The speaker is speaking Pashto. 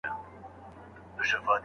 هغه به خامخا تر شپاڼس بجو پوري راسي.